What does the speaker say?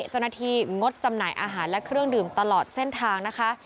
งดจำหน่ายอาหารและเครื่องดื่มตลอดเส้นทางนะคะ